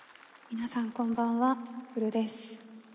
皆さんこんばんは、Ｕｒｕです。